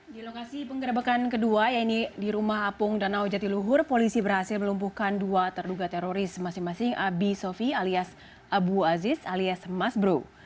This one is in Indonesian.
di lokasi penggerebekan kedua yaitu di rumah apung danau jatiluhur polisi berhasil melumpuhkan dua terduga teroris masing masing abi sofi alias abu aziz alias mas bro